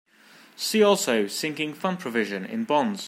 See also sinking fund provision in bonds.